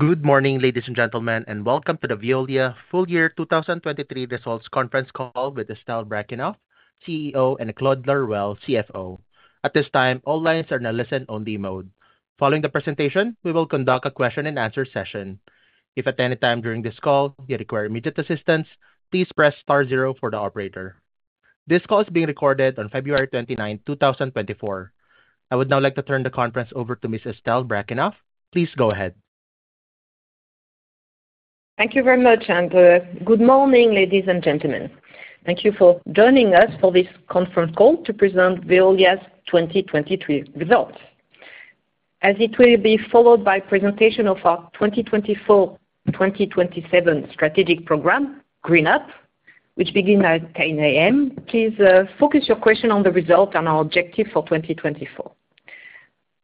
Good morning, ladies and gentlemen, and welcome to the Veolia Full Year 2023 Results Conference Call with Estelle Brachlianoff, CEO, and Claude Laruelle, CFO. At this time, all lines are in a listen-only mode. Following the presentation, we will conduct a question-and-answer session. If at any time during this call you require immediate assistance, please press star zero for the operator. This call is being recorded on February 29, 2024. I would now like to turn the conference over to Ms. Estelle Brachlianoff. Please go ahead. Thank you very much, Andrew. Good morning, ladies and gentlemen. Thank you for joining us for this conference call to present Veolia's 2023 results. As it will be followed by a presentation of our 2024 to 2027 strategic program, GreenUp, which begins at 10:00 A.M., please focus your question on the results and our objective for 2024.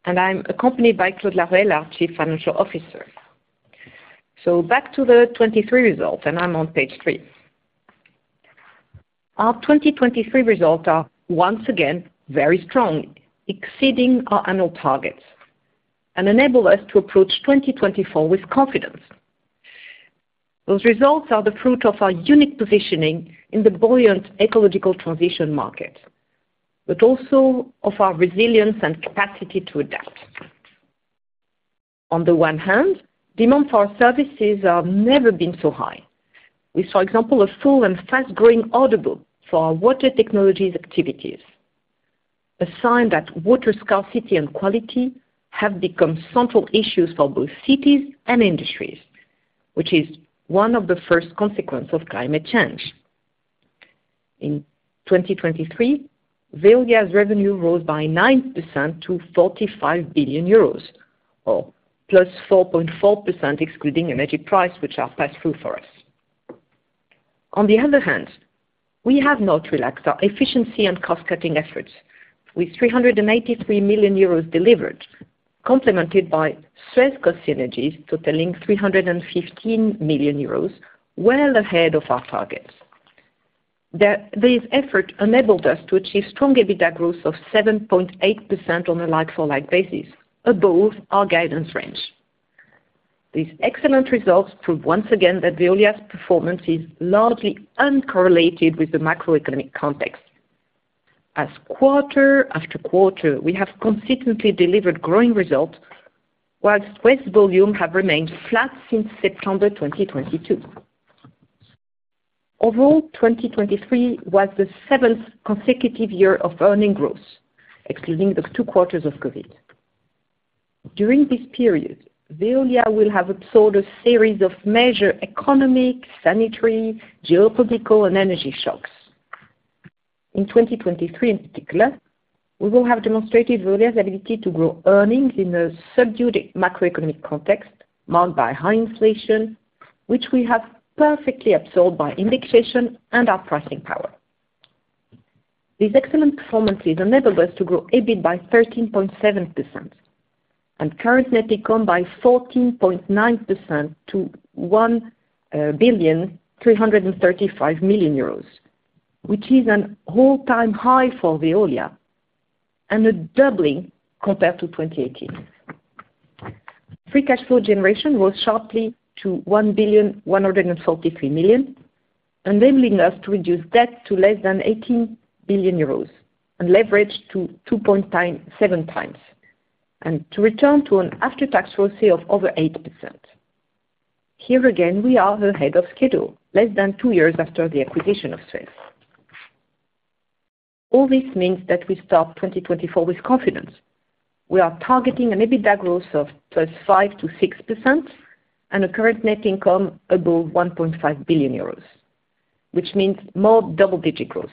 I'm accompanied by Claude Laruelle, our Chief Financial Officer. Back to the 2023 result, and I'm on page three. Our 2023 results are, once again, very strong, exceeding our annual targets, and enable us to approach 2024 with confidence. Those results are the fruit of our unique positioning in the buoyant ecological transition market, but also of our resilience and capacity to adapt. On the one hand, demand for our services has never been so high, with, for example, a full and fast-growing order book for our water technologies activities, a sign that water scarcity and quality have become central issues for both cities and industries, which is one of the first consequences of climate change. In 2023, Veolia's revenue rose by 9% to 45 billion euros, or +4.4% excluding energy price, which are pass-through for us. On the other hand, we have not relaxed our efficiency and cost-cutting efforts, with 383 million euros delevered, complemented by Suez cost synergies totaling 315 million euros, well ahead of our targets. This effort enabled us to achieve strong EBITDA growth of 7.8% on a like-for-like basis, above our guidance range. These excellent results prove once again that Veolia's performance is largely uncorrelated with the macroeconomic context. As quarter after quarter, we have consistently delevered growing results, while Suez volumes have remained flat since September 2022. Overall, 2023 was the seventh consecutive year of earnings growth, excluding the two quarters of COVID. During this period, Veolia will have absorbed a series of major economic, sanitary, geopolitical, and energy shocks. In 2023, in particular, we will have demonstrated Veolia's ability to grow earnings in a subdued macroeconomic context marked by high inflation, which we have perfectly absorbed by indexation and our pricing power. These excellent performances enabled us to grow EBIT by 13.7% and current net income by 14.9% to 1,335 million euros, which is an all-time high for Veolia and a doubling compared to 2018. Free cash flow generation rose sharply to 1,143 million, enabling us to reduce debt to less than 18 billion euros and leverage to 2.7x, and to return to an after-tax ROCE of over 8%. Here again, we are ahead of schedule, less than two years after the acquisition of Suez. All this means that we start 2024 with confidence. We are targeting an EBITDA growth of plus 5% to 6% and a current net income above 1.5 billion euros, which means more double-digit growth.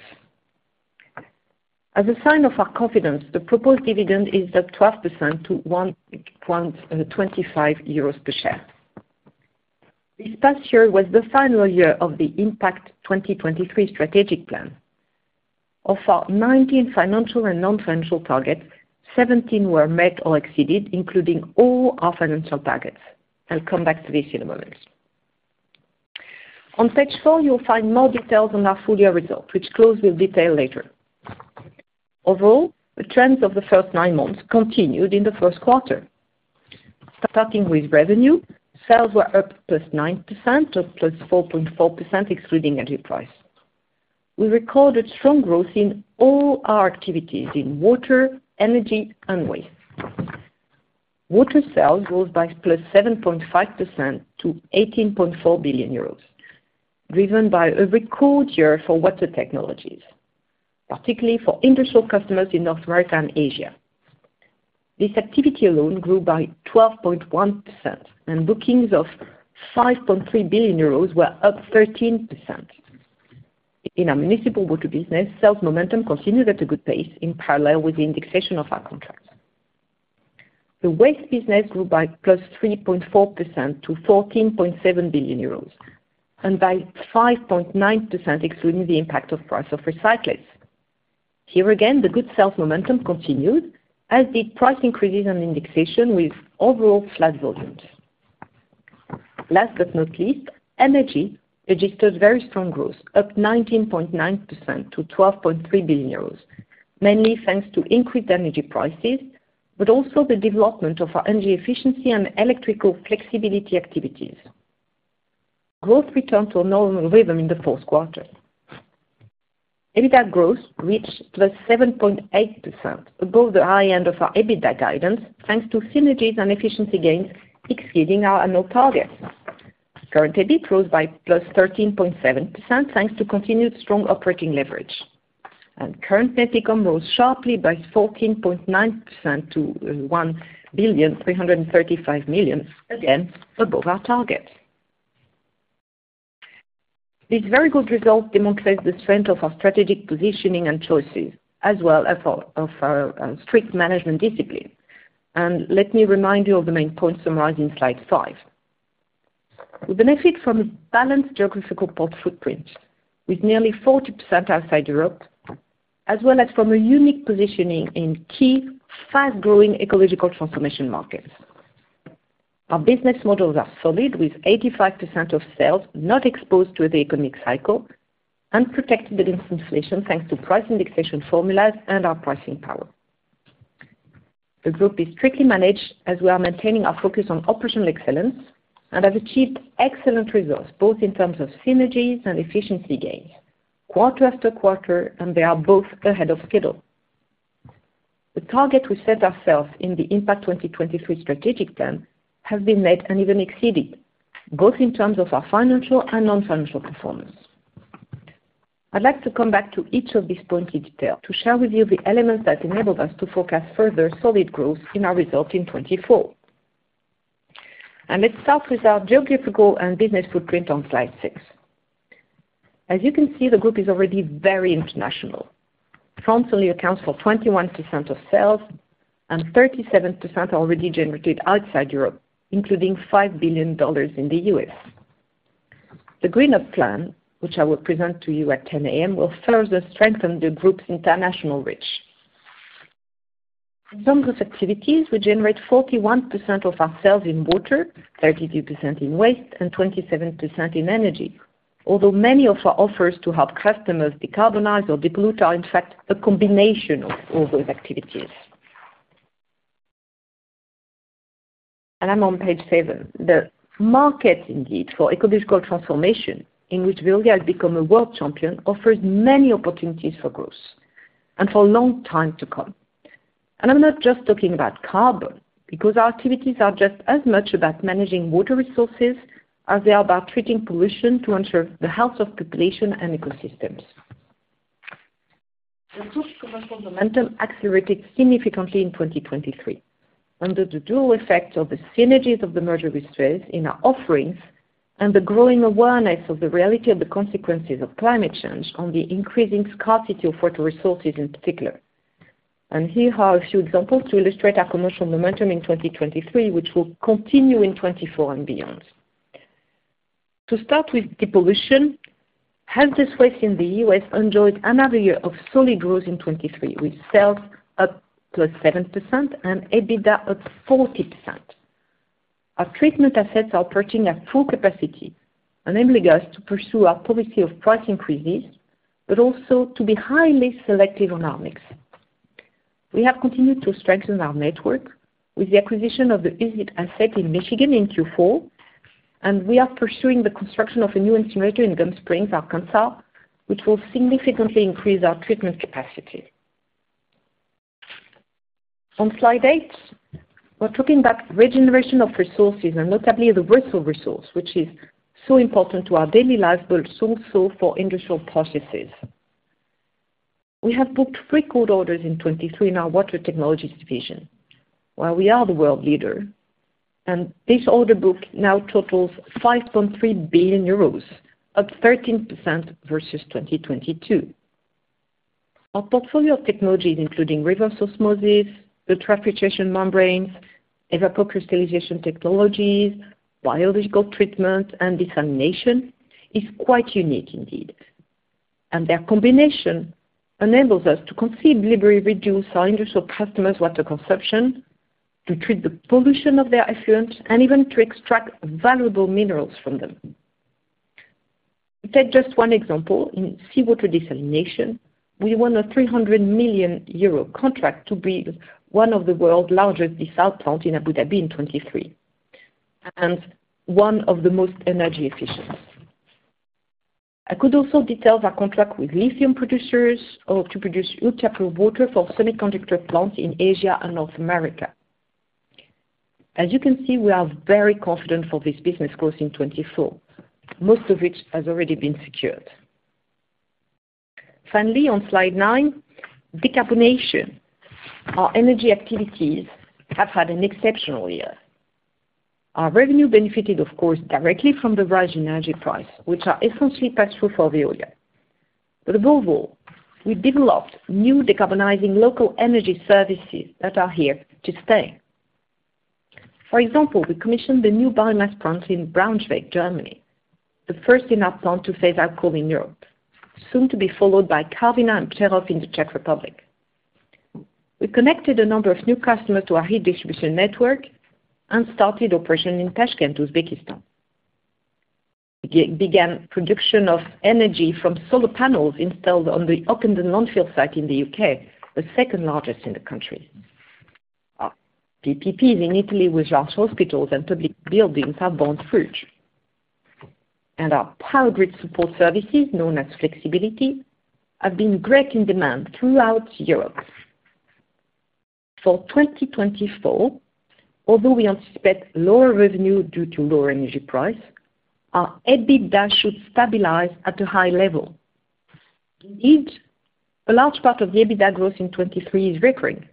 As a sign of our confidence, the proposed dividend is up 12% to 1.25 euros per share. This past year was the final year of the Impact 2023 Strategic Plan. Of our 19 financial and non-financial targets, 17 were met or exceeded, including all our financial targets. I'll come back to this in a moment. On page four, you'll find more details on our full-year result, which Claude will detail later. Overall, the trends of the first nine months continued in the Q1. Starting with revenue, sales were up +9% to +4.4%, excluding energy price. We recorded strong growth in all our activities in water, energy, and waste. Water sales rose by +7.5% to 18.4 billion euros, driven by a record year for water technologies, particularly for industrial customers in North America and Asia. This activity alone grew by 12.1%, and bookings of 5.3 billion euros were up 13%. In our municipal water business, sales momentum continued at a good pace in parallel with the indexation of our contracts. The waste business grew by +3.4% to 14.7 billion euros and by 5.9%, excluding the impact of price of recyclates. Here again, the goods sales momentum continued, as did price increases and indexation, with overall flat volumes. Last but not least, energy registered very strong growth, up +19.9% to 12.3 billion euros, mainly thanks to increased energy prices, but also the development of our energy efficiency and electrical flexibility activities. Growth returned to a normal rhythm in the Q4. EBITDA growth reached +7.8%, above the high end of our EBITDA guidance, thanks to synergies and efficiency gains exceeding our annual targets. Current EBIT rose by +13.7%, thanks to continued strong operating leverage. And current net income rose sharply by 14.9% to 1,335 million, again above our targets. These very good results demonstrate the strength of our strategic positioning and choices, as well as of our strict management discipline. And let me remind you of the main points summarized in slide five. We benefit from a balanced geographical port footprint, with nearly 40% outside Europe, as well as from a unique positioning in key, fast-growing ecological transformation markets. Our business models are solid, with 85% of sales not exposed to the economic cycle and protected against inflation, thanks to price indexation formulas and our pricing power. The group is strictly managed, as we are maintaining our focus on operational excellence and have achieved excellent results, both in terms of synergies and efficiency gains, quarter after quarter, and they are both ahead of schedule. The targets we set ourselves in the Impact 2023 Strategic Plan have been met and even exceeded, both in terms of our financial and non-financial performance. I'd like to come back to each of these points in detail to share with you the elements that enabled us to forecast further solid growth in our result in 2024. Let's start with our geographical and business footprint on slide six. As you can see, the group is already very international. France only accounts for 21% of sales, and 37% are already generated outside Europe, including $5 billion in the U.S. The GreenUp Plan, which I will present to you at 10:00 A.M., will further strengthen the group's international reach. In some of its activities, we generate 41% of our sales in water, 32% in waste, and 27% in energy, although many of our offers to help customers decarbonize or depollute are, in fact, a combination of all those activities. I'm on page seven. The market, indeed, for ecological transformation in which Veolia has become a world champion offers many opportunities for growth and for a long time to come. I'm not just talking about carbon, because our activities are just as much about managing water resources as they are about treating pollution to ensure the health of population and ecosystems. The growth of commercial momentum accelerated significantly in 2023 under the dual effect of the synergies of the merger with Suez in our offerings and the growing awareness of the reality of the consequences of climate change on the increasing scarcity of water resources, in particular. And here are a few examples to illustrate our commercial momentum in 2023, which will continue in 2024 and beyond. To start with depollution, as Suez in the US enjoyed another year of solid growth in 2023, with sales up +7% and EBITDA up 40%. Our treatment assets are operating at full capacity, enabling us to pursue our policy of price increases, but also to be highly selective on our mix. We have continued to strengthen our network with the acquisition of the U.S. Industrial asset in Michigan in Q4, and we are pursuing the construction of a new incinerator in Gum Springs, Arkansas, which will significantly increase our treatment capacity. On slide eight, we're talking about regeneration of resources, and notably the water resource, which is so important to our daily lives, but also for industrial processes. We have booked three major orders in 2023 in our water technologies division, where we are the world leader. And this order book now totals 5.3 billion euros, up 13% versus 2022. Our portfolio of technologies, including reverse osmosis, ultrafiltration membranes, evapo-crystallization technologies, biological treatment, and desalination, is quite unique, indeed. Their combination enables us to conceive, delever, reduce our industrial customers' water consumption, to treat the pollution of their effluent, and even to extract valuable minerals from them. To take just one example, in seawater desalination, we won a 300 million euro contract to build one of the world's largest desalination plants in Abu Dhabi in 2023 and one of the most energy-efficient. I could also detail our contract with lithium producers to produce ultra-pure water for semiconductor plants in Asia and North America. As you can see, we are very confident for this business growth in 2024, most of which has already been secured. Finally, on slide 9, decarbonation. Our energy activities have had an exceptional year. Our revenue benefited, of course, directly from the rising energy price, which are essentially pass-through for Veolia. But above all, we developed new decarbonizing local energy services that are here to stay. For example, we commissioned the new biomass plant in Braunschweig, Germany, the first in our plant to phase out coal in Europe, soon to be followed by Karviná and Přerov in the Czech Republic. We connected a number of new customers to our heat distribution network and started operation in Tashkent, Uzbekistan. We began production of energy from solar panels installed on the Ockendon landfill site in the UK, the second largest in the country. Our PPPs in Italy, with large hospitals and public buildings, have borne fruit. And our power grid support services, known as Flexibility, have been great in demand throughout Europe. For 2024, although we anticipate lower revenue due to lower energy price, our EBITDA should stabilize at a high level. Indeed, a large part of the EBITDA growth in 2023 is recurring,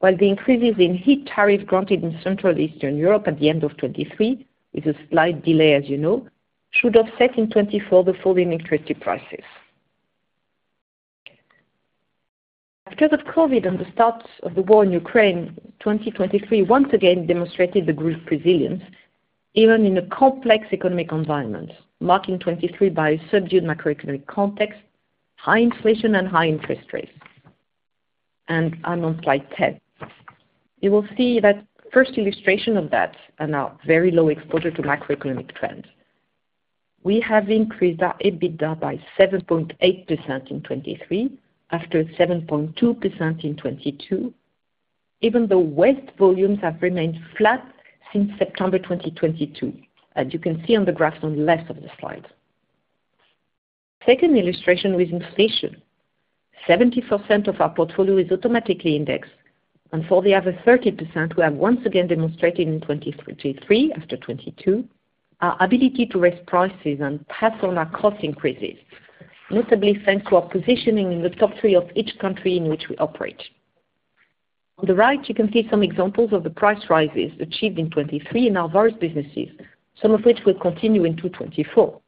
while the increases in heat tariffs granted in Central and Eastern Europe at the end of 2023, with a slight delay, as you know, should offset in 2024 the fall in electricity prices. After the COVID and the start of the war in Ukraine, 2023 once again demonstrated the group's resilience, even in a complex economic environment, marking 2023 by a subdued macroeconomic context, high inflation, and high interest rates. I'm on slide 10. You will see that first illustration of that and our very low exposure to macroeconomic trends. We have increased our EBITDA by 7.8% in 2023 after 7.2% in 2022, even though waste volumes have remained flat since September 2022, as you can see on the graph on the left of the slide. Second illustration with inflation. 70% of our portfolio is automatically indexed, and for the other 30%, we have once again demonstrated in 2023, after 2022, our ability to raise prices and pass on our cost increases, notably thanks to our positioning in the top three of each country in which we operate. On the right, you can see some examples of the price rises achieved in 2023 in our various businesses, some of which will continue into 2024.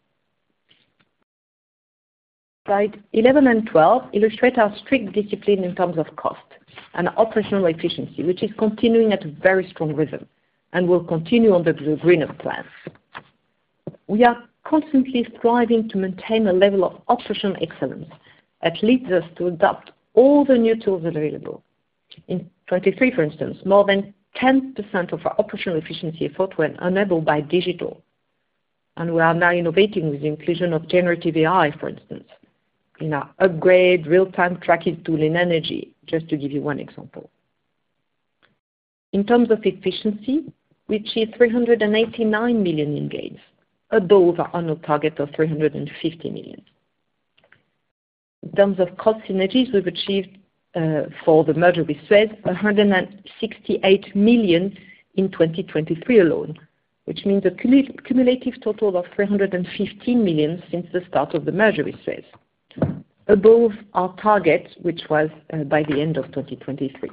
Slides 11 and 12 illustrate our strict discipline in terms of cost and operational efficiency, which is continuing at a very strong rhythm and will continue under the GreenUp Plan. We are constantly striving to maintain a level of operational excellence that leads us to adopt all the new tools available. In 2023, for instance, more than 10% of our operational efficiency efforts were enabled by digital. We are now innovating with the inclusion of generative AI, for instance, in our Hubgrade, real-time tracking tool in energy, just to give you one example. In terms of efficiency, we achieved 389 million in gains, above our annual target of 350 million. In terms of cost synergies, we've achieved, for the merger with Suez, 168 million in 2023 alone, which means a cumulative total of 315 million since the start of the merger with Suez, above our target, which was by the end of 2023.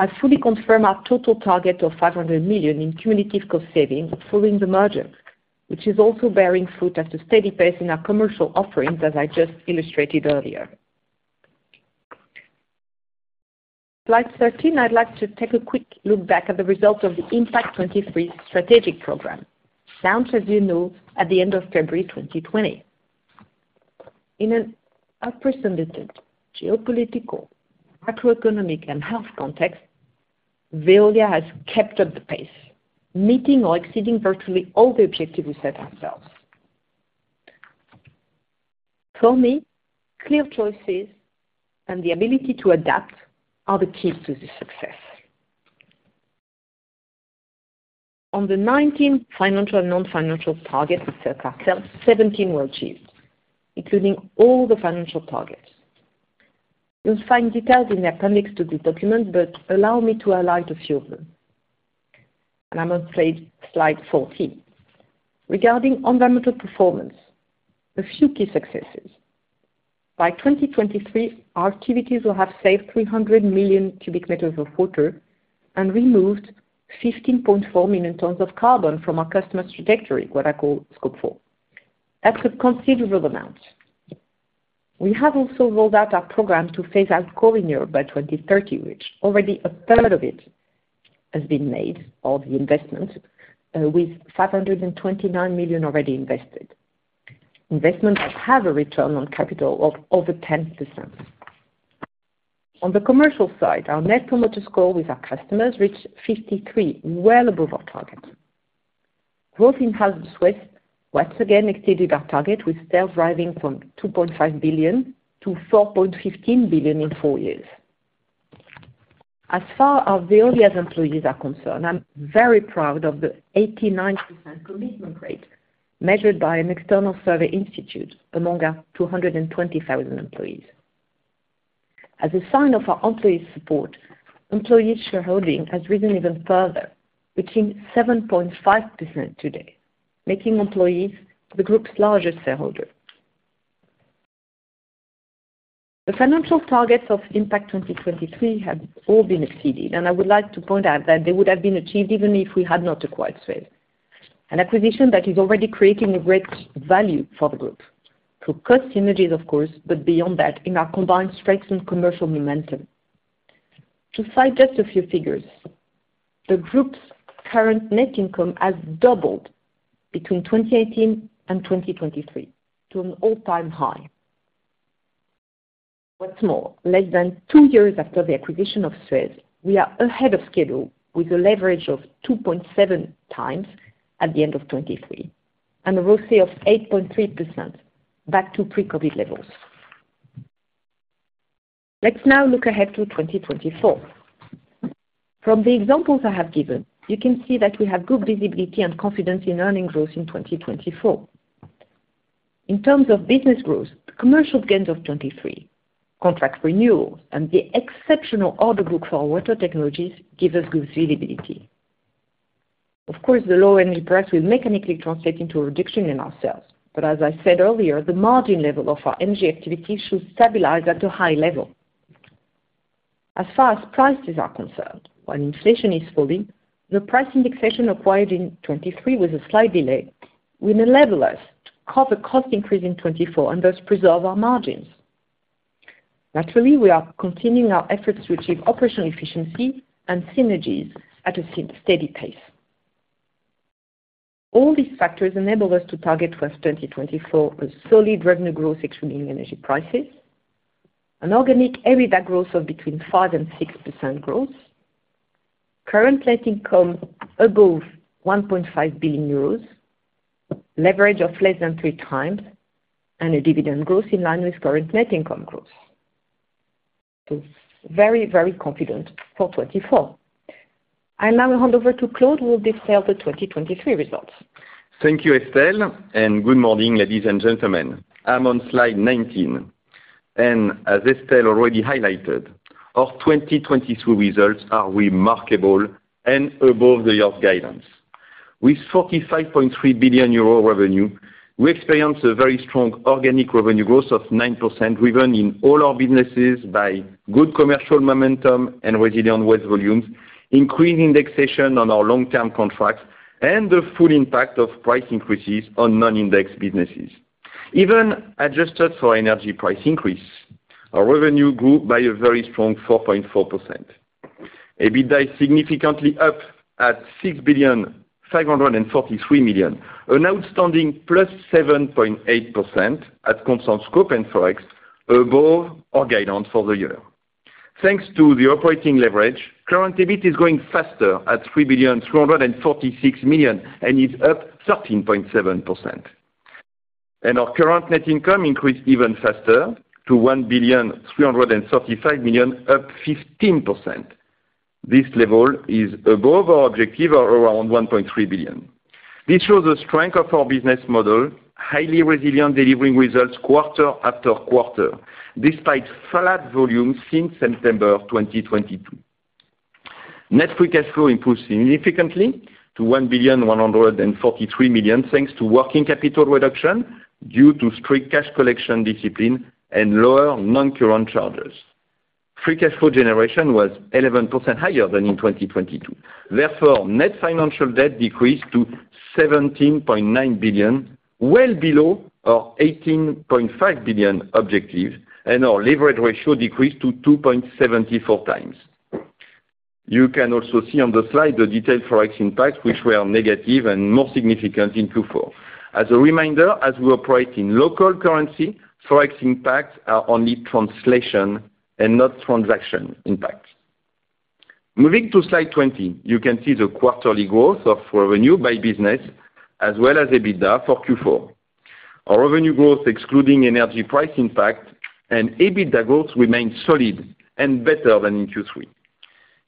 I fully confirm our total target of 500 million in cumulative cost savings following the merger, which is also bearing fruit at a steady pace in our commercial offerings, as I just illustrated earlier. Slide 13, I'd like to take a quick look back at the result of the Impact 2023 Strategic Program, launched, as you know, at the end of February 2020. In an unprecedented geopolitical, macroeconomic, and health context, Veolia has kept up the pace, meeting or exceeding virtually all the objectives we set ourselves. For me, clear choices and the ability to adapt are the keys to this success. On the 19 financial and non-financial targets with Impact 2023, 17 were achieved, including all the financial targets. You'll find details in the appendix to this document, but allow me to highlight a few of them. I'm on slide 14. Regarding environmental performance, a few key successes. By 2023, our activities will have saved 300 million cubic meters of water and removed 15.4 million tons of carbon from our customers' trajectory, what I call Scope 4. That's a considerable amount. We have also rolled out our program to phase out coal in Europe by 2030, which already a third of it has been made, or the investment, with 529 million already invested. Investments that have a return on capital of over 10%. On the commercial side, our Net Promoter Score with our customers reached 53, well above our target. Growth in-house with Suez once again exceeded our target, with sales driving from 2.5 billion to 4.15 billion in four years. As far as Veolia's employees are concerned, I'm very proud of the 89% commitment rate measured by an external survey institute among our 220,000 employees. As a sign of our employees' support, employees' shareholding has risen even further, reaching 7.5% today, making employees the group's largest shareholder. The financial targets of Impact 2023 have all been exceeded, and I would like to point out that they would have been achieved even if we had not acquired SUEZ, an acquisition that is already creating a great value for the group through cost synergies, of course, but beyond that, in our combined strengths and commercial momentum. To cite just a few figures, the group's current net income has doubled between 2018 and 2023 to an all-time high. What's more, less than two years after the acquisition of SUEZ, we are ahead of schedule with a leverage of 2.7x at the end of 2023 and a ROCE of 8.3%, back to pre-COVID levels. Let's now look ahead to 2024. From the examples I have given, you can see that we have good visibility and confidence in earnings growth in 2024. In terms of business growth, the commercial gains of 2023, contract renewals, and the exceptional order book for water technologies give us good visibility. Of course, the lower energy price will mechanically translate into a reduction in our sales, but as I said earlier, the margin level of our energy activity should stabilize at a high level. As far as prices are concerned, while inflation is falling, the price indexation acquired in 2023 with a slight delay will enable us to cover cost increase in 2024 and thus preserve our margins. Naturally, we are continuing our efforts to achieve operational efficiency and synergies at a steady pace. All these factors enable us to target for 2024 a solid revenue growth excluding energy prices, an organic EBITDA growth of between 5% and 6% growth, current net income above 1.5 billion euros, leverage of less than 3 times, and a dividend growth in line with current net income growth. So very, very confident for 2024. I now will hand over to Claude, who will detail the 2023 results. Thank you, Estelle, and good morning, ladies and gentlemen. I'm on slide 19. As Estelle already highlighted, our 2023 results are remarkable and above the year's guidance. With 45.3 billion euro revenue, we experience a very strong organic revenue growth of 9%, driven in all our businesses by good commercial momentum and resilient waste volumes, increased indexation on our long-term contracts, and the full impact of price increases on non-indexed businesses. Even adjusted for energy price increase, our revenue grew by a very strong 4.4%. EBITDA is significantly up at 6,543 million, an outstanding 7.8% at constant scope and forex, above our guidance for the year. Thanks to the operating leverage, current EBIT is growing faster at 3,346 million and is up 13.7%. Our current net income increased even faster to 1,335 million, up 15%. This level is above our objective or around 1.3 billion. This shows the strength of our business model, highly resilient, delivering results quarter after quarter despite flat volumes since September 2022. Net free cash flow improved significantly to 1,143 million thanks to working capital reduction due to strict cash collection discipline and lower non-current charges. Free cash flow generation was 11% higher than in 2022. Therefore, net financial debt decreased to 17.9 billion, well below our 18.5 billion objective, and our leverage ratio decreased to 2.74 times. You can also see on the slide the detailed forex impacts, which were negative and more significant in Q4. As a reminder, as we operate in local currency, forex impacts are only translation and not transaction impacts. Moving to slide 20, you can see the quarterly growth of revenue by business as well as EBITDA for Q4. Our revenue growth, excluding energy price impact, and EBITDA growth remained solid and better than in Q3.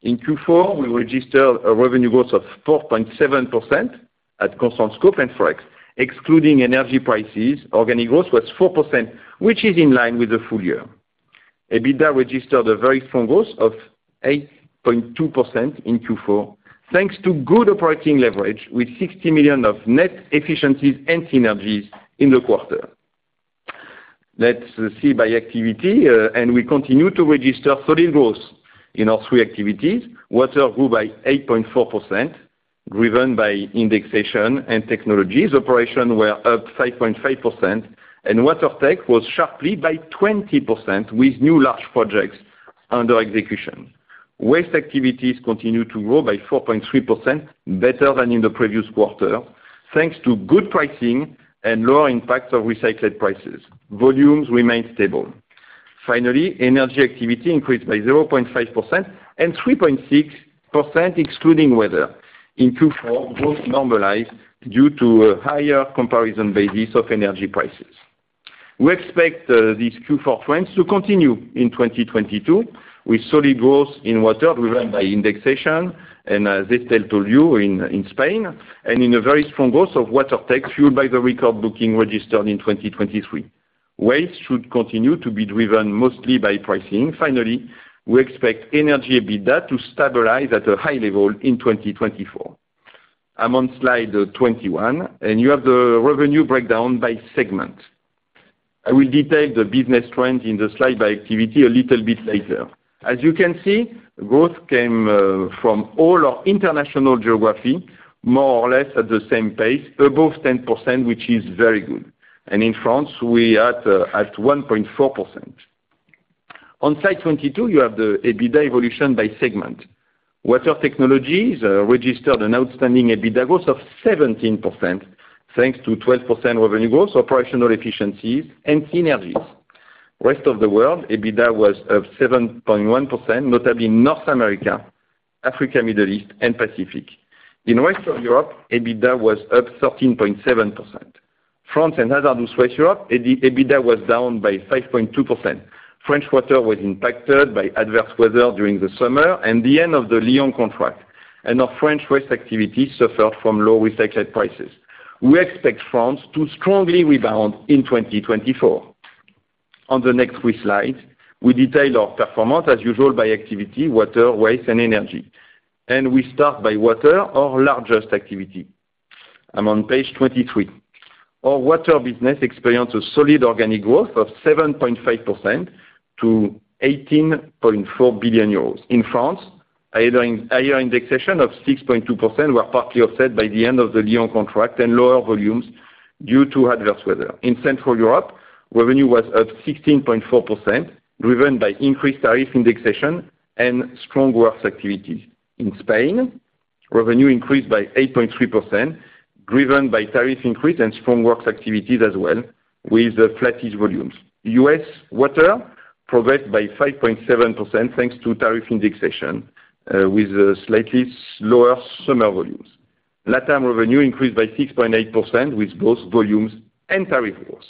In Q4, we registered a revenue growth of 4.7% at constant scope and forex. Excluding energy prices, organic growth was 4%, which is in line with the full year. EBITDA registered a very strong growth of 8.2% in Q4 thanks to good operating leverage with 60 million of net efficiencies and synergies in the quarter. Let's see by activity, and we continue to register solid growth in our three activities. Water grew by 8.4% driven by indexation and technologies. Operations were up 5.5%, and water tech was sharply by 20% with new large projects under execution. Waste activities continue to grow by 4.3%, better than in the previous quarter thanks to good pricing and lower impacts of recycled prices. Volumes remained stable. Finally, energy activity increased by 0.5% and 3.6% excluding weather. In Q4, growth normalized due to a higher comparison basis of energy prices. We expect these Q4 trends to continue in 2022 with solid growth in water driven by indexation, and as Estelle told you, in Spain, and in a very strong growth of water tech fueled by the record booking registered in 2023. Waste should continue to be driven mostly by pricing. Finally, we expect energy EBITDA to stabilize at a high level in 2024. I'm on slide 21, and you have the revenue breakdown by segment. I will detail the business trends in the slide by activity a little bit later. As you can see, growth came from all our international geography more or less at the same pace, above 10%, which is very good. In France, we are at 1.4%. On slide 22, you have the EBITDA evolution by segment. Water technologies registered an outstanding EBITDA growth of 17% thanks to 12% revenue growth, operational efficiencies, and synergies. Rest of the world, EBITDA was up 7.1%, notably in North America, Africa, Middle East, and Pacific. In the rest of Europe, EBITDA was up 13.7%. France and Hazardous Waste Europe, EBITDA was down by 5.2%. French water was impacted by adverse weather during the summer and the end of the Lyon contract, and our French waste activities suffered from low recycled prices. We expect France to strongly rebound in 2024. On the next three slides, we detail our performance as usual by activity, water, waste, and energy. We start by water, our largest activity. I'm on page 23. Our water business experienced a solid organic growth of 7.5% to 18.4 billion euros. In France, a higher indexation of 6.2% was partly offset by the end of the Lyon contract and lower volumes due to adverse weather. In Central Europe, revenue was up 16.4% driven by increased tariff indexation and strong works activities. In Spain, revenue increased by 8.3% driven by tariff increase and strong works activities as well with flattish volumes. U.S. water progressed by 5.7% thanks to tariff indexation with slightly lower summer volumes. LATAM revenue increased by 6.8% with both volumes and tariff growth.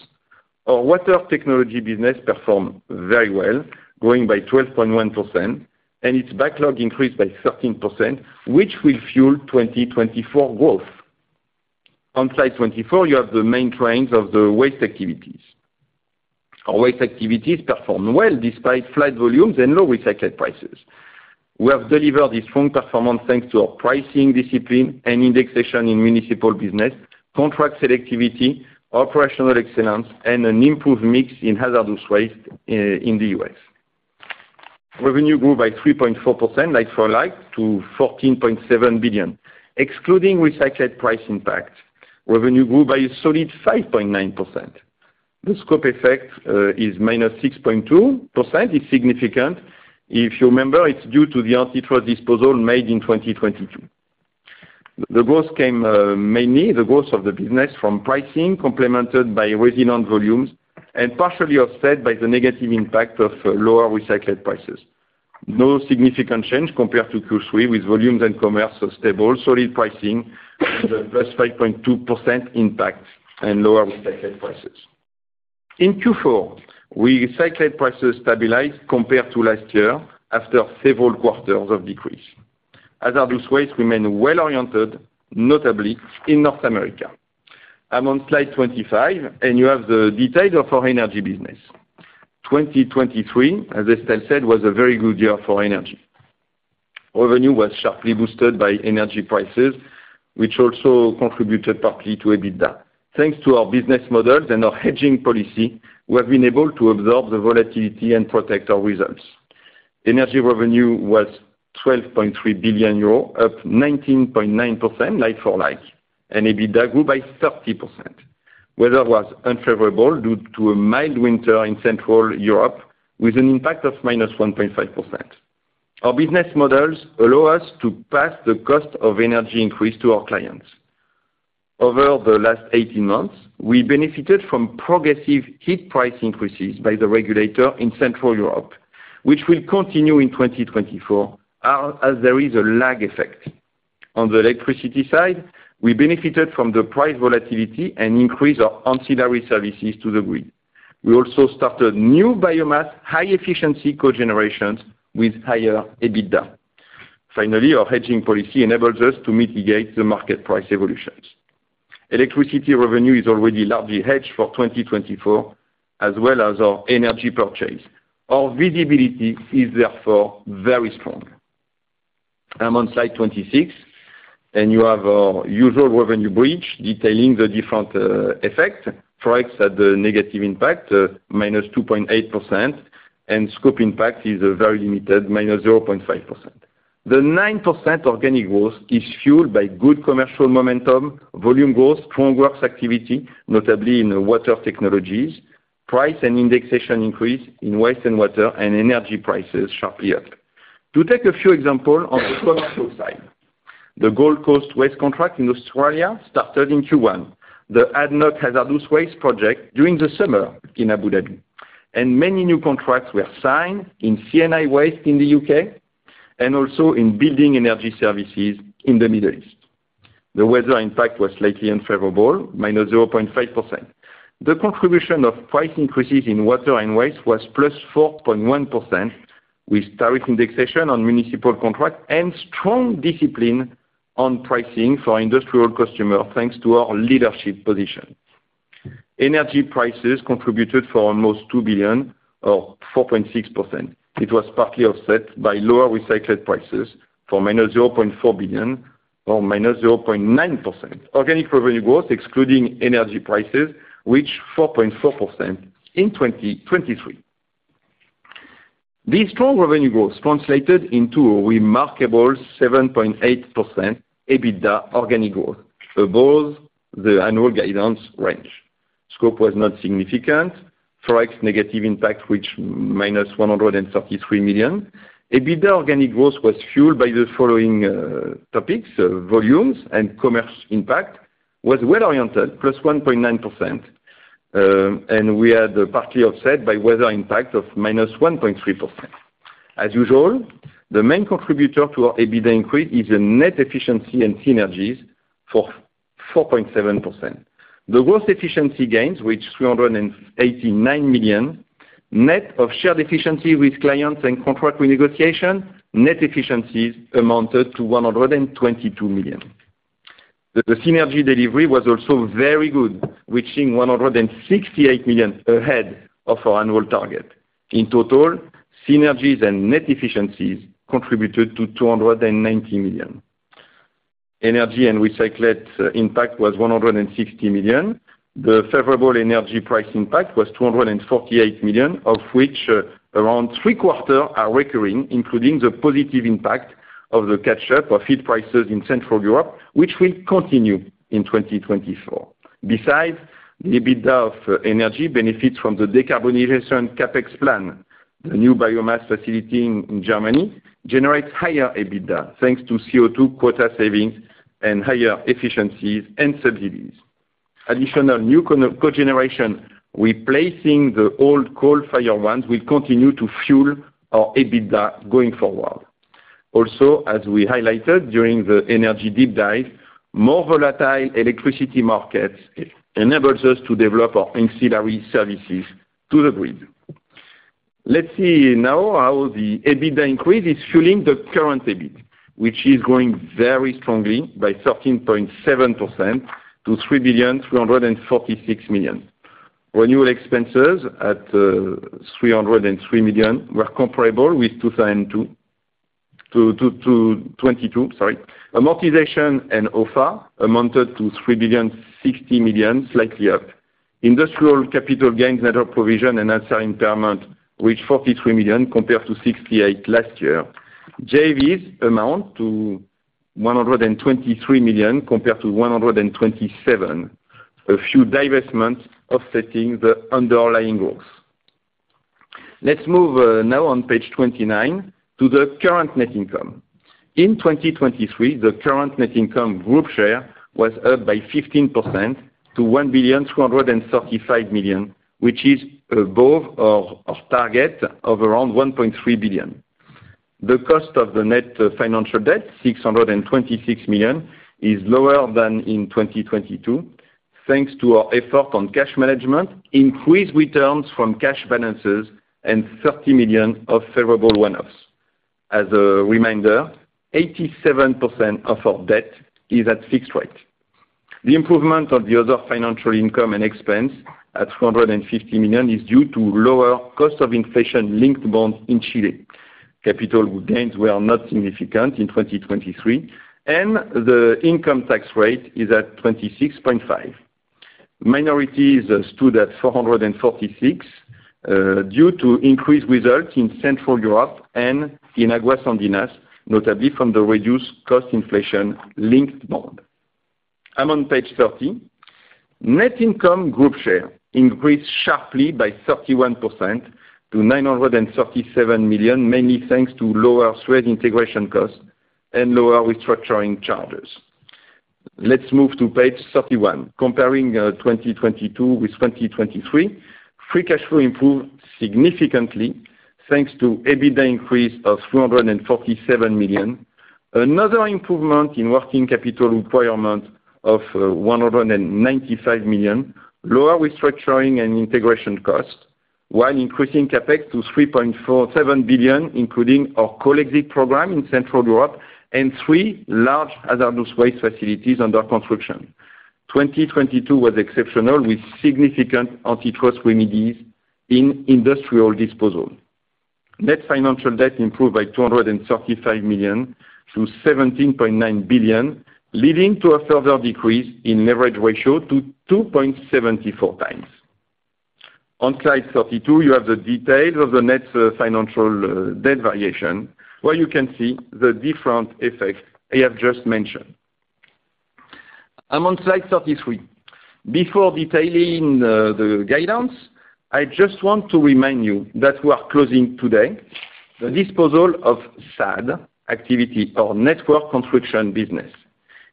Our water technology business performed very well, growing by 12.1%, and its backlog increased by 13%, which will fuel 2024 growth. On slide 24, you have the main trends of the waste activities. Our waste activities performed well despite flat volumes and low recycled prices. We have delivered a strong performance thanks to our pricing discipline and indexation in municipal business, contract selectivity, operational excellence, and an improved mix in Hazardous Waste in the U.S. Revenue grew by 3.4% like for like to 14.7 billion excluding recycled price impact. Revenue grew by a solid 5.9%. The scope effect is -6.2%. It's significant. If you remember, it's due to the anti-trust disposal made in 2022. The growth came mainly, the growth of the business from pricing complemented by resilient volumes and partially offset by the negative impact of lower recycled prices. No significant change compared to Q3 with volumes and commerce stable, solid pricing, +5.2% impact and lower recycled prices. In Q4, recycled prices stabilized compared to last year after several quarters of decrease. Hazardous Waste remained well oriented, notably in North America. I'm on slide 25, and you have the details of our energy business. 2023, as Estelle said, was a very good year for energy. Revenue was sharply boosted by energy prices, which also contributed partly to EBITDA. Thanks to our business models and our hedging policy, we have been able to absorb the volatility and protect our results. Energy revenue was 12.3 billion euros, up 19.9% like for like, and EBITDA grew by 30%. Weather was unfavorable due to a mild winter in Central Europe with an impact of -1.5%. Our business models allow us to pass the cost of energy increase to our clients. Over the last 18 months, we benefited from progressive heat price increases by the regulator in Central Europe, which will continue in 2024 as there is a lag effect. On the electricity side, we benefited from the price volatility and increase of ancillary services to the grid. We also started new biomass high-efficiency cogenerations with higher EBITDA. Finally, our hedging policy enables us to mitigate the market price evolutions. Electricity revenue is already largely hedged for 2024 as well as our energy purchase. Our visibility is therefore very strong. I'm on slide 26, and you have our usual revenue bridge detailing the different effects. Forex had the negative impact, minus 2.8%, and scope impact is very limited, minus 0.5%. The 9% organic growth is fueled by good commercial momentum, volume growth, strong works activity, notably in water technologies, price and indexation increase in waste and water, and energy prices sharply up. To take a few examples on the commercial side, the Gold Coast Waste contract in Australia started in Q1, the ADNOC Hazardous Waste project during the summer in Abu Dhabi, and many new contracts were signed in C&I Waste in the U.K. and also in building energy services in the Middle East. The weather impact was slightly unfavorable, -0.5%. The contribution of price increases in water and waste was +4.1% with tariff indexation on municipal contract and strong discipline on pricing for industrial customers thanks to our leadership position. Energy prices contributed for almost 2 billion or 4.6%. It was partly offset by lower recycled prices for -0.4 billion or -0.9%. Organic revenue growth excluding energy prices, which is 4.4% in 2023. This strong revenue growth translated into a remarkable 7.8% EBITDA organic growth above the annual guidance range. Scope was not significant. Forex negative impact, which is -133 million. EBITDA organic growth was fueled by the following topics: volumes and commerce impact was well oriented, +1.9%, and we had partly offset by weather impact of -1.3%. As usual, the main contributor to our EBITDA increase is net efficiency and synergies for 4.7%. The gross efficiency gains, which is 389 million, net of shared efficiency with clients and contract renegotiation, net efficiencies amounted to 122 million. The synergy delivery was also very good, reaching 168 million ahead of our annual target. In total, synergies and net efficiencies contributed to 290 million. Energy and recycled impact was 160 million. The favorable energy price impact was 248 million, of which around 3/4 are recurring, including the positive impact of the catch-up of heat prices in Central Europe, which will continue in 2024. Besides, the EBITDA of energy benefits from the decarbonization CapEx plan. The new biomass facility in Germany generates higher EBITDA thanks to CO2 quota savings and higher efficiencies and subsidies. Additional new cogeneration replacing the old coal-fired ones will continue to fuel our EBITDA going forward. Also, as we highlighted during the energy deep dive, more volatile electricity markets enable us to develop our ancillary services to the grid. Let's see now how the EBITDA increase is fueling the current EBIT, which is growing very strongly by 13.7% to 3,346 million. Renewal expenses at 303 million were comparable with 2022. Sorry. Amortization and OFA amounted to 3,060 million, slightly up. Industrial capital gains, network provision, and asset impairment reached 43 million compared to 68 million last year. JVs amount to 123 million compared to 127 million, a few divestments offsetting the underlying growth. Let's move now on page 29 to the current net income. In 2023, the current net income group share was up by 15% to 1.335 billion, which is above our target of around 1.3 billion. The cost of the net financial debt, 626 million, is lower than in 2022 thanks to our effort on cash management, increased returns from cash balances, and 30 million of favorable one-offs. As a reminder, 87% of our debt is at fixed rate. The improvement of the other financial income and expense at 250 million is due to lower cost of inflation-linked bonds in Chile. Capital gains were not significant in 2023, and the income tax rate is at 26.5%. Minorities stood at 446 million due to increased results in Central Europe and in Aguas Andinas, notably from the reduced cost inflation-linked bond. I'm on page 30. Net income group share increased sharply by 31% to 937 million, mainly thanks to lower Suez integration costs and lower restructuring charges. Let's move to page 31. Comparing 2022 with 2023, free cash flow improved significantly thanks to EBITDA increase of 347 million, another improvement in working capital requirement of 195 million, lower restructuring and integration costs, while increasing CapEx to 3.47 billion, including our coal exit program in Central Europe and three large hazardous waste facilities under construction. 2022 was exceptional with significant antitrust remedies in industrial disposal. Net financial debt improved by 235 million to 17.9 billion, leading to a further decrease in leverage ratio to 2.74x. On slide 32, you have the details of the net financial debt variation, where you can see the different effects I have just mentioned. I'm on slide 33. Before detailing the guidance, I just want to remind you that we are closing today the disposal of SADE activity or network construction business.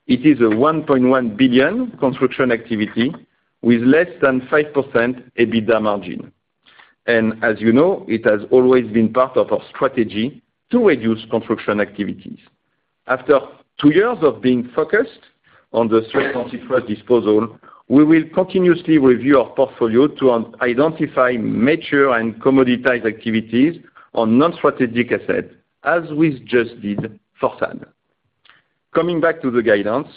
It is a 1.1 billion construction activity with less than 5% EBITDA margin. As you know, it has always been part of our strategy to reduce construction activities. After two years of being focused on the Suez antitrust disposal, we will continuously review our portfolio to identify mature and commoditized activities on non-strategic assets, as we just did for SADE. Coming back to the guidance,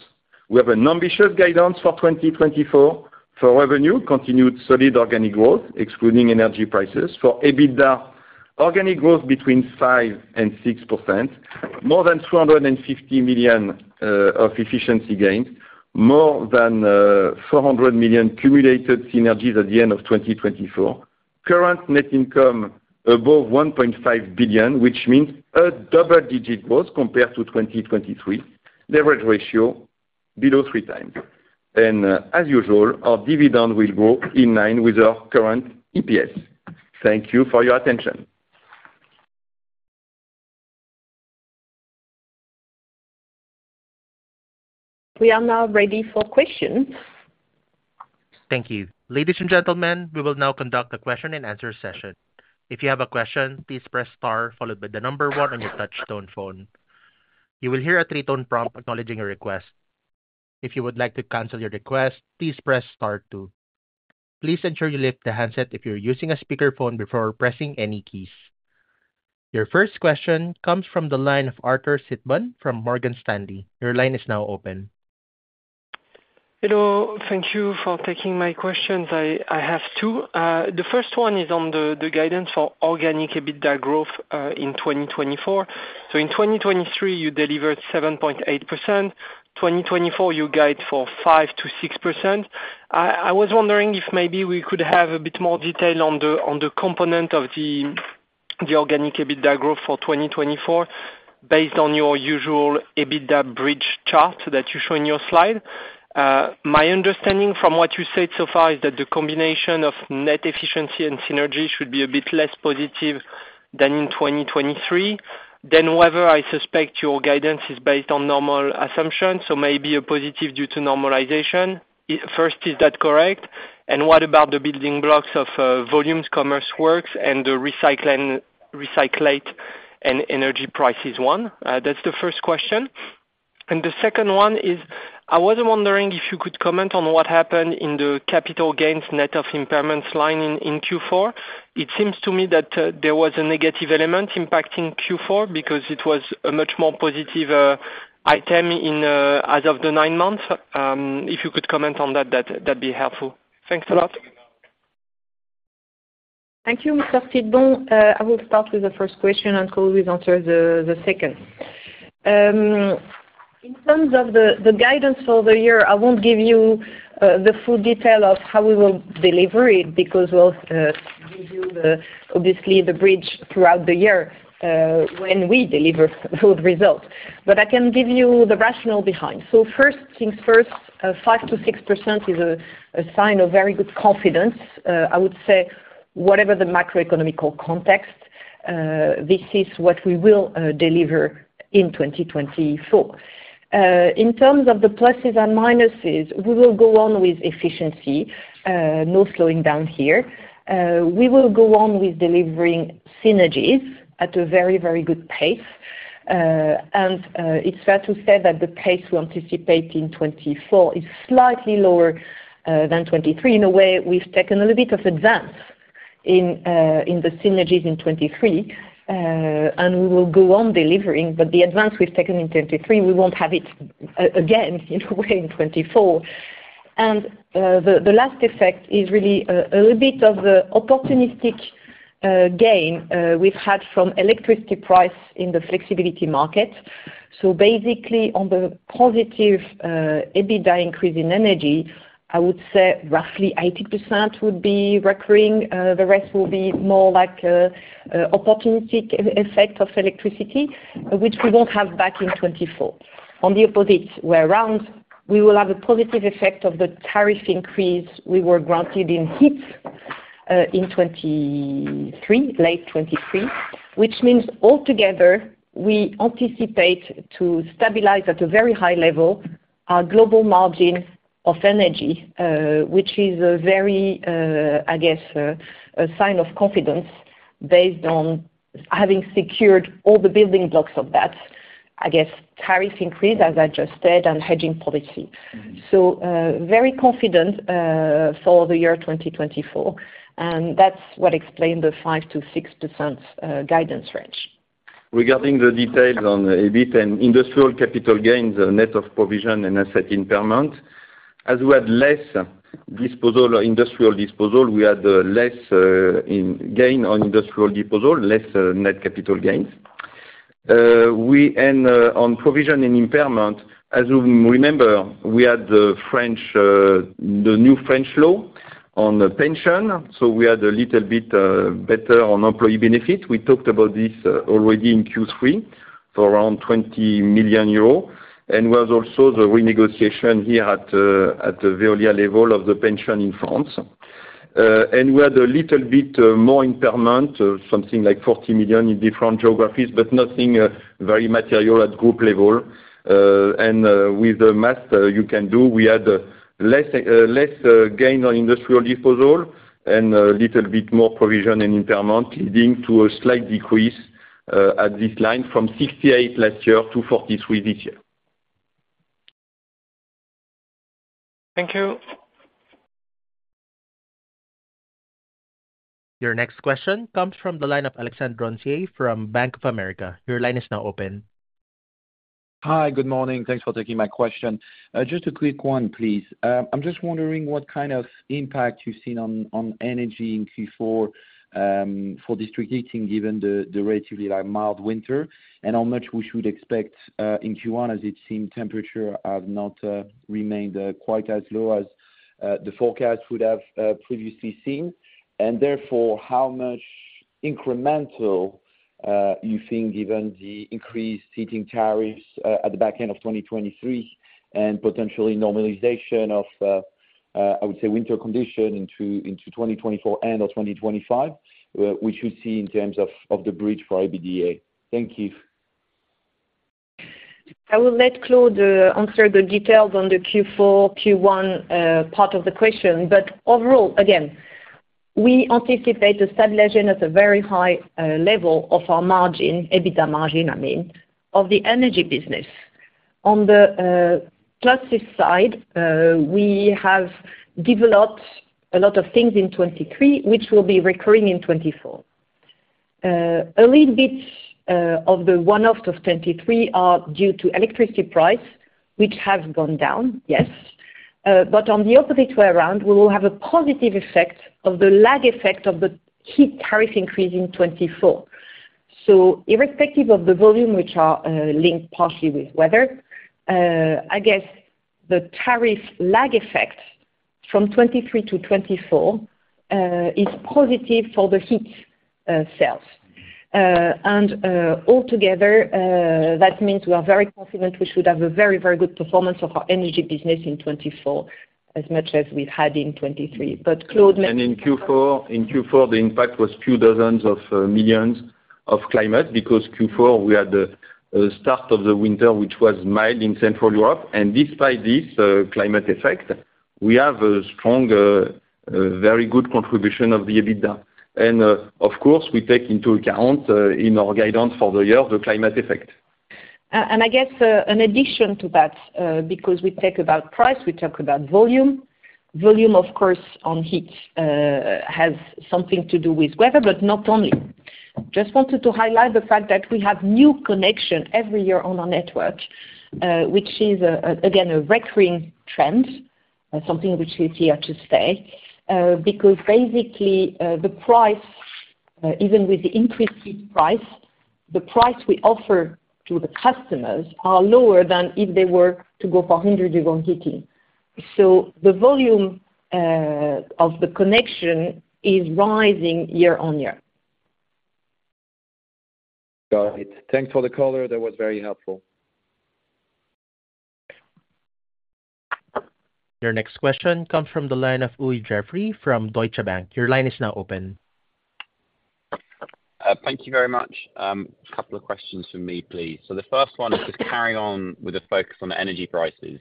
we have an ambitious guidance for 2024 for revenue, continued solid organic growth excluding energy prices for EBITDA, organic growth between 5% to 6%, more than 250 million of efficiency gains, more than 400 million cumulated synergies at the end of 2024, current net income above 1.5 billion, which means a double-digit growth compared to 2023, leverage ratio below 3 times. As usual, our dividend will grow in line with our current EPS. Thank you for your attention. We are now ready for questions. Thank you. Ladies and gentlemen, we will now conduct a question-and-answer session. If you have a question, please press star followed by the number one on your touchtone phone. You will hear a three-tone prompt acknowledging your request. If you would like to cancel your request, please press star too. Please ensure you lift the handset if you're using a speakerphone before pressing any keys. Your first question comes from the line of Arthur Sitbon from Morgan Stanley. Your line is now open. Hello. Thank you for taking my questions. I have two. The first one is on the guidance for organic EBITDA growth in 2024. So in 2023, you delivered 7.8%. 2024, you guide for 5% to 6%. I was wondering if maybe we could have a bit more detail on the component of the organic EBITDA growth for 2024 based on your usual EBITDA bridge chart that you show in your slide. My understanding from what you said so far is that the combination of net efficiency and synergy should be a bit less positive than in 2023. Then, however, I suspect your guidance is based on normal assumptions, so maybe a positive due to normalization. First, is that correct? And what about the building blocks of volumes, commerce, works, and the recyclate and energy prices one? That's the first question. The second one is I was wondering if you could comment on what happened in the capital gains net of impairments line in Q4. It seems to me that there was a negative element impacting Q4 because it was a much more positive item as of the nine months. If you could comment on that, that'd be helpful. Thanks a lot. Thank you, Mr. Sitbon. I will start with the first question and could always answer the second. In terms of the guidance for the year, I won't give you the full detail of how we will deliver it because we'll give you, obviously, the bridge throughout the year when we deliver the results. But I can give you the rationale behind. So first things first, 5% to 6% is a sign of very good confidence. I would say, whatever the macroeconomic context, this is what we will deliver in 2024. In terms of the pluses and minuses, we will go on with efficiency. No slowing down here. We will go on with delivering synergies at a very, very good pace. And it's fair to say that the pace we anticipate in 2024 is slightly lower than 2023. In a way, we've taken a little bit of advance in the synergies in 2023, and we will go on delivering. But the advance we've taken in 2023, we won't have it again in a way in 2024. And the last effect is really a little bit of the opportunistic gain we've had from electricity price in the flexibility market. So basically, on the positive EBITDA increase in energy, I would say roughly 80% would be recurring. The rest will be more like an opportunistic effect of electricity, which we won't have back in 2024. On the opposite way around, we will have a positive effect of the tariff increase we were granted in heat in late 2023, which means altogether, we anticipate to stabilize at a very high level our global margin of energy, which is a very, I guess, a sign of confidence based on having secured all the building blocks of that, I guess, tariff increase, as I just said, and hedging policy. So very confident for the year 2024. And that's what explained the 5% to 6% guidance range. Regarding the details on EBIT and industrial capital gains, net of provision and asset impairment, as we had less industrial disposal, we had less gain on industrial disposal, less net capital gains. On provision and impairment, as you remember, we had the new French law on pension. We had a little bit better on employee benefit. We talked about this already in Q3 for around 20 million euros. There was also the renegotiation here at the Veolia level of the pension in France. We had a little bit more impairment, something like 40 million in different geographies, but nothing very material at group level. With the math you can do, we had less gain on industrial disposal and a little bit more provision and impairment, leading to a slight decrease at this line from 68 last year to 43 this year. Thank you. Your next question comes from the line of Alexandre Roncier from Bank of America. Your line is now open. Hi. Good morning. Thanks for taking my question. Just a quick one, please. I'm just wondering what kind of impact you've seen on energy in Q4 for district heating, given the relatively mild winter, and how much we should expect in Q1 as it seems temperatures have not remained quite as low as the forecast would have previously seen. And therefore, how much incremental you think, given the increased heating tariffs at the back end of 2023 and potentially normalization of, I would say, winter conditions into 2024 and/or 2025, we should see in terms of the bridge for EBITDA? Thank you. I will let Claude answer the details on the Q4, Q1 part of the question. But overall, again, we anticipate a stabilization at a very high level of our margin, EBITDA margin, I mean, of the energy business. On the plus side, we have developed a lot of things in 2023 which will be recurring in 2024. A little bit of the one-offs of 2023 are due to electricity price, which have gone down, yes. But on the opposite way around, we will have a positive effect of the lag effect of the heat tariff increase in 2024. So irrespective of the volume, which are linked partially with weather, I guess the tariff lag effect from 2023 to 2024 is positive for the heat sales. And altogether, that means we are very confident we should have a very, very good performance of our energy business in 2024 as much as we've had in 2023. But, Claude. In Q4, the impact was a few dozen million EUR from climate because Q4, we had the start of the winter, which was mild in Central Europe. Despite this climate effect, we have a strong, very good contribution to the EBITDA. Of course, we take into account in our guidance for the year the climate effect. I guess in addition to that, because we talk about price, we talk about volume. Volume, of course, on heat has something to do with weather, but not only. Just wanted to highlight the fact that we have new connection every year on our network, which is, again, a recurring trend, something which is here to stay because basically, even with the increased heat price, the price we offer to the customers is lower than if they were to go for 100 degree heating. So the volume of the connection is rising year on year. Got it. Thanks for the caller. That was very helpful. Your next question comes from the line of Jeffrey Uy from Deutsche Bank. Your line is now open. Thank you very much. A couple of questions from me, please. So the first one is just carrying on with a focus on energy prices.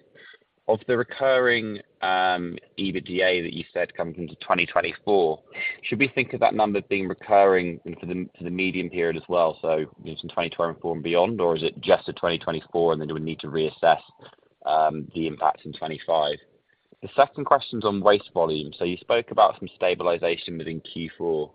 Of the recurring EBITDA that you said coming into 2024, should we think of that number being recurring for the medium period as well, so in 2024 and beyond, or is it just for 2024, and then we need to reassess the impact in 2025? The second question is on waste volume. So you spoke about some stabilization within Q4.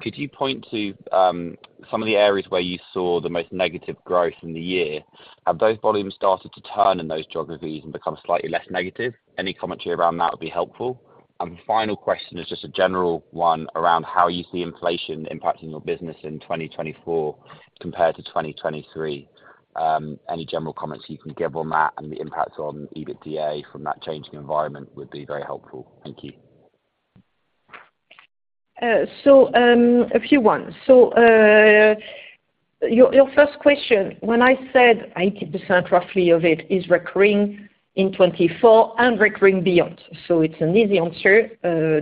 Could you point to some of the areas where you saw the most negative growth in the year? Have those volumes started to turn in those geographies and become slightly less negative? Any commentary around that would be helpful. And the final question is just a general one around how you see inflation impacting your business in 2024 compared to 2023. Any general comments you can give on that and the impact on EBITDA from that changing environment would be very helpful. Thank you. So a few ones. So your first question, when I said roughly 80% of it is recurring in 2024 and recurring beyond, so it's an easy answer,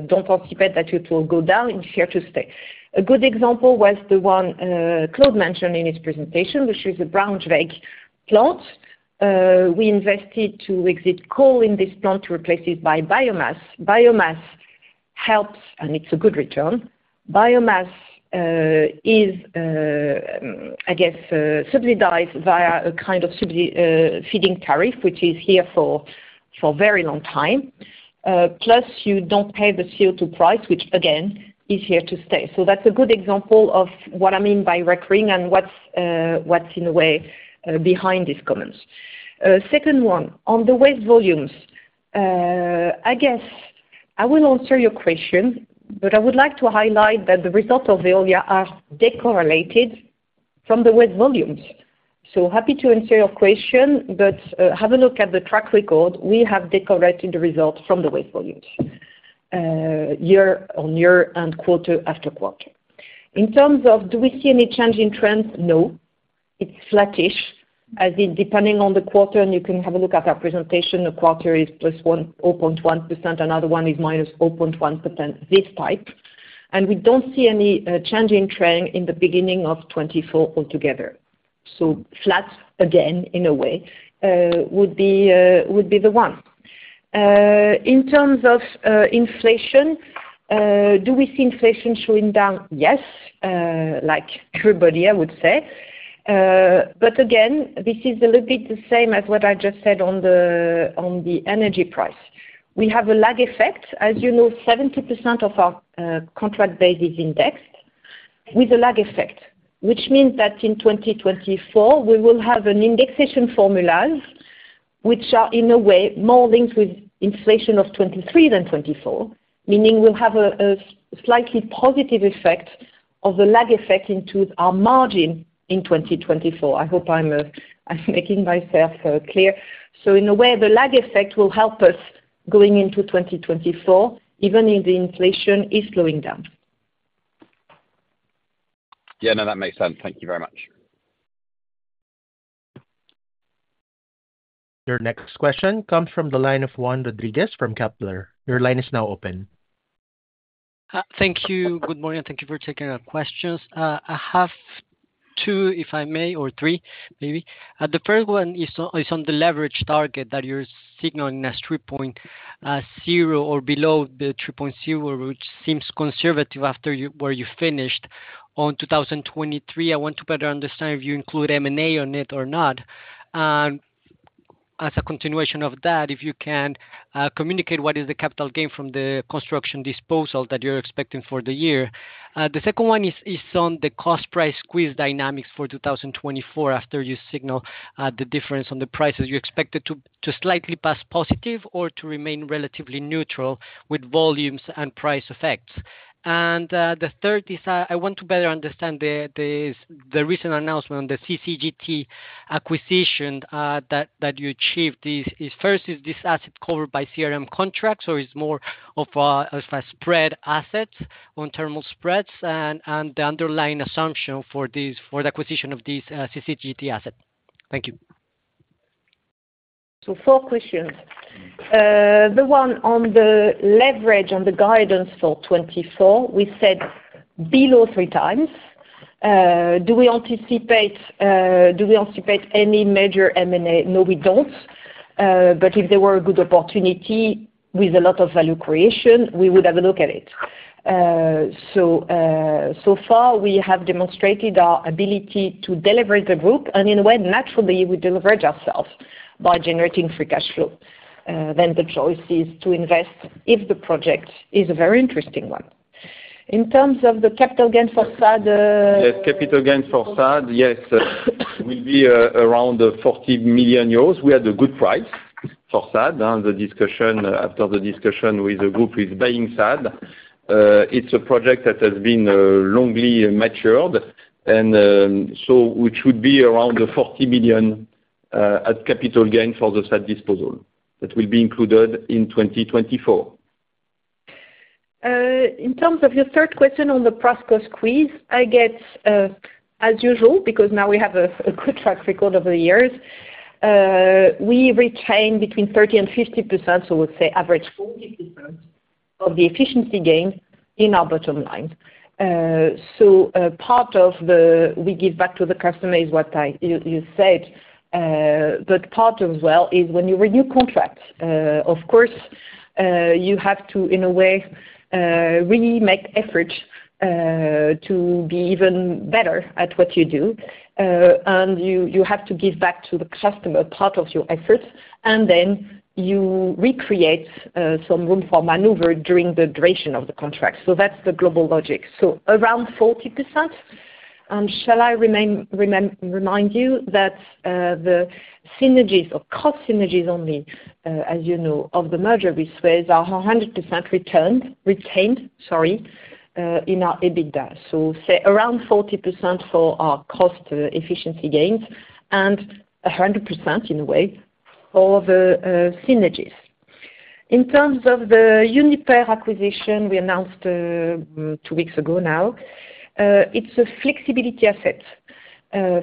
don't anticipate that it will go down and here to stay. A good example was the one Claude mentioned in his presentation, which is a Braunschweig plant. We invested to exit coal in this plant to replace it by biomass. Biomass helps, and it's a good return. Biomass is, I guess, subsidized via a kind of feed-in tariff, which is here for a very long time. Plus, you don't pay the CO2 price, which, again, is here to stay. So that's a good example of what I mean by recurring and what's, in a way, behind these comments. Second one, on the waste volumes, I guess I will answer your question, but I would like to highlight that the results of Veolia are decorrelated from the waste volumes. So happy to answer your question, but have a look at the track record. We have decorrelated the results from the waste volumes year on year and quarter after quarter. In terms of do we see any change in trend? No. It's flattish, as in depending on the quarter. And you can have a look at our presentation. A quarter is +0.1%. Another one is -0.1%, this type. And we don't see any change in trend in the beginning of 2024 altogether. So flat, again, in a way, would be the one. In terms of inflation, do we see inflation slowing down? Yes, like everybody, I would say. But again, this is a little bit the same as what I just said on the energy price. We have a lag effect. As you know, 70% of our contract base is indexed with a lag effect, which means that in 2024, we will have an indexation formulas, which are, in a way, more linked with inflation of 2023 than 2024, meaning we'll have a slightly positive effect of the lag effect into our margin in 2024. I hope I'm making myself clear. So in a way, the lag effect will help us going into 2024, even if the inflation is slowing down. Yeah. No, that makes sense. Thank you very much. Your next question comes from the line of Juan Rodriguez from Kepler. Your line is now open. Thank you. Good morning. Thank you for taking our questions. I have two, if I may, or three, maybe. The first one is on the leverage target that you're signaling as 3.0 or below the 3.0, which seems conservative after where you finished on 2023. I want to better understand if you include M&A on it or not. And as a continuation of that, if you can communicate what is the capital gain from the construction disposal that you're expecting for the year. The second one is on the cost-price squeeze dynamics for 2024 after you signal the difference on the prices. You expect it to slightly pass positive or to remain relatively neutral with volumes and price effects. And the third is I want to better understand the recent announcement on the CCGT acquisition that you achieved. First, is this asset covered by CRM contracts, or is it more of a spread asset on thermal spreads and the underlying assumption for the acquisition of this CCGT asset? Thank you. So four questions. The one on the leverage, on the guidance for 2024, we said below three times. Do we anticipate any major M&A? No, we don't. But if there were a good opportunity with a lot of value creation, we would have a look at it. So far, we have demonstrated our ability to deliver the group. And in a way, naturally, we delivered ourselves by generating free cash flow. Then the choice is to invest if the project is a very interesting one. In terms of the capital gain for SADE? Yes. Capital gain for SADE, yes, will be around 40 million euros. We had a good price for SADE. After the discussion with the group, we are buying SADE. It's a project that has been longly matured, and so it should be around 40 million at capital gain for the SADE disposal that will be included in 2024. In terms of your third question on the price-cost squeeze, I guess, as usual, because now we have a good track record over the years, we retain between 30% and 50%, so we'll say average 40% of the efficiency gain in our bottom lines. So part of the we give back to the customer is what you said. But part as well is when you renew contracts, of course, you have to, in a way, really make effort to be even better at what you do. And you have to give back to the customer part of your effort. And then you recreate some room for maneuver during the duration of the contract. So that's the global logic. So around 40%. And shall I remind you that the synergies or cost synergies only, as you know, of the merger with Suez are 100% retained, sorry, in our EBITDA? So say around 40% for our cost efficiency gains and 100%, in a way, for the synergies. In terms of the Uniper acquisition we announced two weeks ago now, it's a flexibility asset.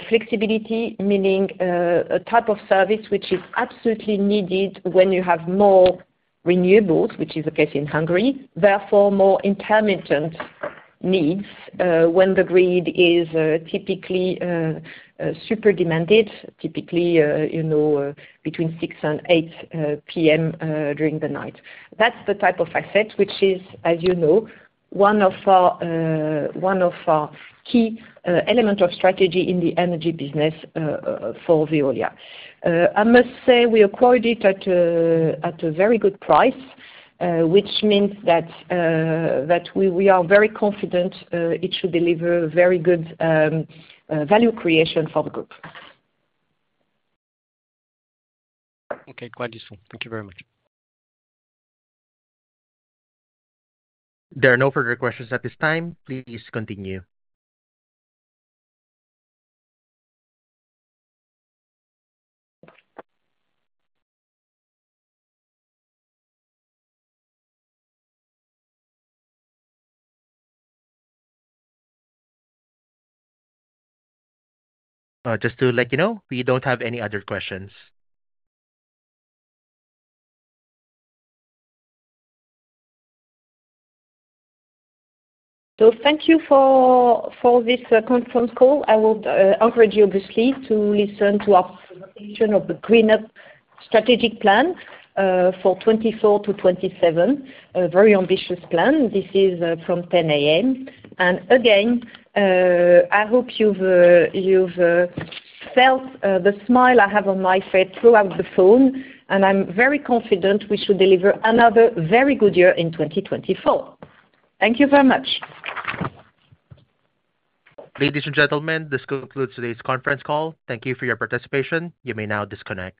Flexibility, meaning a type of service which is absolutely needed when you have more renewables, which is the case in Hungary, therefore more intermittent needs when the grid is typically super demanded, typically between 6:00 P.M. and 8:00 P.M. during the night. That's the type of asset which is, as you know, one of our key elements of strategy in the energy business for Veolia. I must say we acquired it at a very good price, which means that we are very confident it should deliver very good value creation for the group. Okay. Quite useful. Thank you very much. There are no further questions at this time. Please continue. Just to let you know, we don't have any other questions. Thank you for this conference call. I would encourage you, obviously, to listen to our presentation of the GreenUp strategic plan for 2024 to 2027, a very ambitious plan. This is from 10:00 A.M. Again, I hope you've felt the smile I have on my face throughout the phone. I'm very confident we should deliver another very good year in 2024. Thank you very much. Ladies and gentlemen, this concludes today's conference call. Thank you for your participation. You may now disconnect.